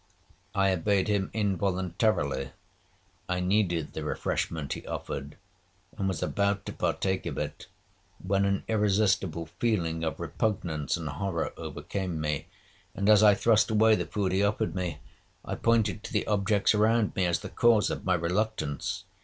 I obeyed him involuntarily. I needed the refreshment he offered, and was about to partake of it, when an irresistible feeling of repugnance and horror overcame me; and, as I thrust away the food he offered me, I pointed to the objects around me as the cause of my reluctance.